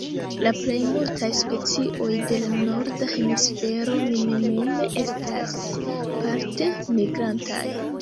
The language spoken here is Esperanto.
La plej multaj specioj de la Norda Hemisfero minimume estas parte migrantaj.